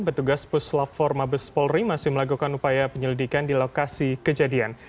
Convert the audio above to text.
petugas puslap empat mabes polri masih melakukan upaya penyelidikan di lokasi kejadian